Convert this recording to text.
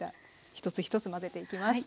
一つ一つ混ぜていきます。